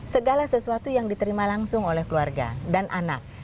segala sesuatu yang diterima langsung oleh keluarga dan anak